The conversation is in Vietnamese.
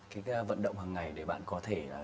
cái vận động hằng ngày để bạn có thể